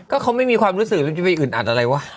ก็เขาไม่มีความรู้สึกแล้วจะไปอึดอัดอะไรวะ